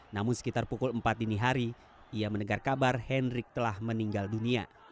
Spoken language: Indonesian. namun sekitar pukul empat dini hari ia mendengar kabar hendrik telah meninggal dunia